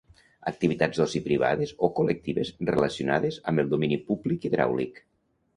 Activitats d'oci privades o col·lectives relacionades amb el domini públic hidràulic.